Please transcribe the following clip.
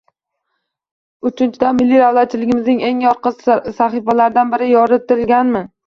Uchinchidan, milliy davlatchiligimizning eng yorqin sahifalaridan biri yoritilganmi?